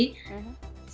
apa yang akan anda lakukan